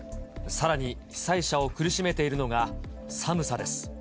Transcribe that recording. さらに、被災者を苦しめているのが、寒さです。